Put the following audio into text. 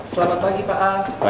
selamat pagi pak al